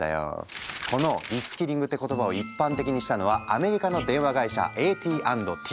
このリスキリングって言葉を一般的にしたのはアメリカの電話会社ＡＴ＆Ｔ。